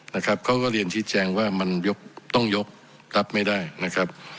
นะครับเขาก็เรียนชี้แจงว่ามันยกต้องยกรับไม่ได้นะครับ